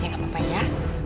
ya enggak papa ya